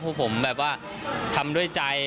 พวกผมแบบว่าทำด้วยใจ